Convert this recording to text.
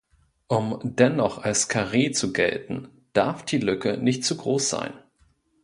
Um dennoch als Karree zu gelten, darf die Lücke nicht zu groß sein.